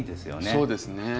そうですね。